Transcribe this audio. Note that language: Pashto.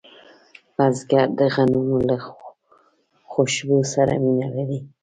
بزګر د غنمو له خوشبو سره مینه لري